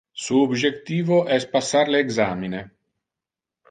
Su objectivo es passar le examine.